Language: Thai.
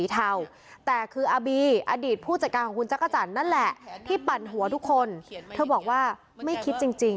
ว่ารู้จักกันมาเกือบ๒๐ปี